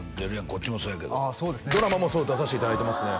こっちもそうやけどドラマも出させていただいてますね